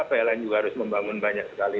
pln juga harus membangun banyak sekali